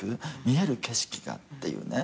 見える景色がっていうね。